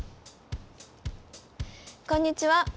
こんにちは。